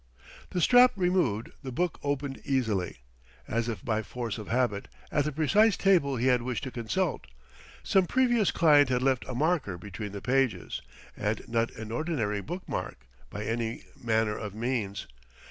The strap removed, the book opened easily, as if by force of habit, at the precise table he had wished to consult; some previous client had left a marker between the pages, and not an ordinary book mark, by any manner of means.